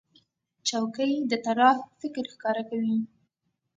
چوکۍ د طراح فکر ښکاره کوي.